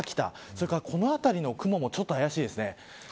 それからこの辺りの雲もちょっとあやしいですね。